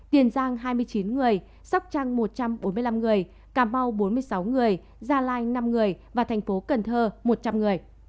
tiền giang hai mươi chín người sóc trăng một trăm bốn mươi năm người cà mau bốn mươi sáu người gia lai năm người và thành phố cần thơ một trăm linh người